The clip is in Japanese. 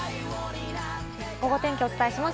ゴゴ天気をお伝えします。